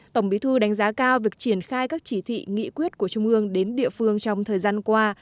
tổng bí thư đánh giá cao việc triển khai các chỉ thị nghị quyết của trung ương đến địa phương trong thời gian qua